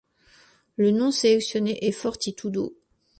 Le nom sélectionné est Fortitudo.